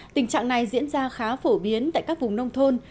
tình trạng này diễn ra khá phổ biến tại các vùng nông thôn